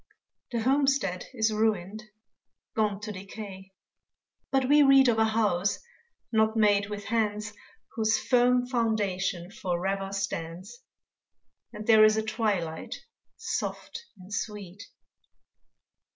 The homestead is ruined gone to decay, But we read of a house not made with hands, Whose firm foundation forever stands; And there is a twilight soft and sweet.